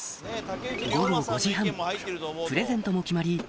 プレゼントも決まり